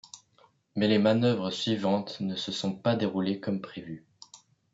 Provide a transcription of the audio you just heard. Mais les manœuvres suivantes ne se sont pas déroulées comme prévu.